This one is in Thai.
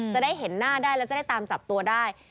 จะได้เห็นหน้าได้แล้วจะได้ตามจับตัวได้